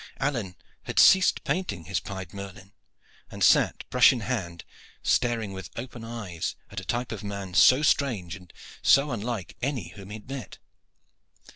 Alleyne had ceased painting his pied merlin, and sat, brush in hand, staring with open eyes at a type of man so strange and so unlike any whom he had met.